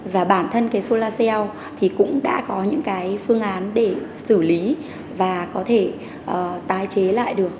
và bản thân cái solar cell thì cũng đã có những cái phương án để xử lý và có thể tái chế lại được